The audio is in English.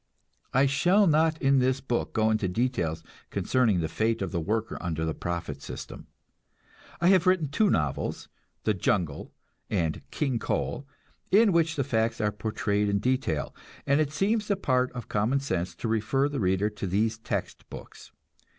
I shall not in this book go into details concerning the fate of the worker under the profit system. I have written two novels, "The Jungle" and "King Coal," in which the facts are portrayed in detail, and it seems the part of common sense to refer the reader to these text books.